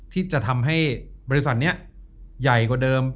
ที่จะทำให้บริษัทนี้ใหญ่กว่าเดิม